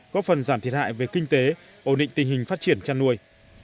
góp phần giảm thiệt hại về kinh tế ổn định tình hình phát triển chăn nuôi